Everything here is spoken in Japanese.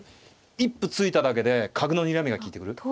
一歩突いただけで角のにらみが利いてくる。